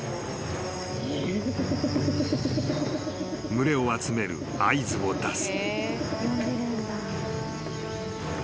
［群れを集める合図を出す］